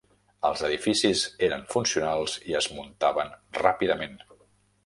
Els edificis eren funcionals i es muntaven ràpidament.